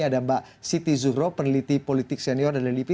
ada mbak siti zuhro peneliti politik senior dari lipi